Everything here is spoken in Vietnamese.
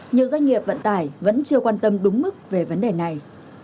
nhiều doanh nghiệp vận tải vẫn chưa quan tâm đúng mức về vấn đề này